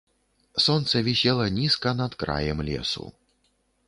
Сонца вісела нізка над краем лесу.